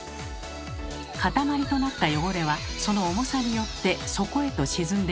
塊となった汚れはその重さによって底へと沈んでいきます。